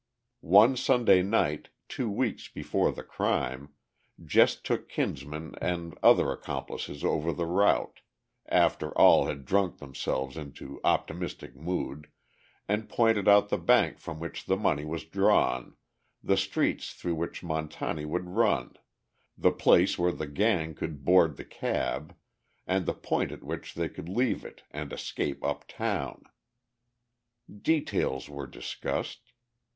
One Sunday night, two weeks before the crime, Jess took Kinsman and other accomplices over the route, after all had drunk themselves into optimistic mood, and pointed out the bank from which the money was drawn, the streets through which Montani would run, the place where the gang could board the cab, and the point at which they could leave it and escape uptown. Details were discussed.